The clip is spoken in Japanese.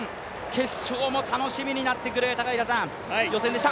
決勝も楽しみになってくる予選でした。